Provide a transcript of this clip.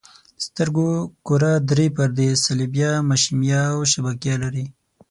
د سترګو کره درې پردې صلبیه، مشیمیه او شبکیه لري.